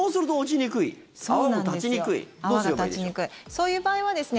そういう場合はですね